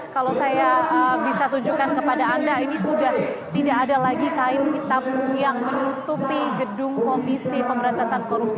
kalau saya bisa tunjukkan kepada anda ini sudah tidak ada lagi kain hitam yang menutupi gedung komisi pemberantasan korupsi